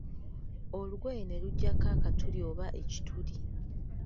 Olugoye ne lujjako akatuli oba ekituli.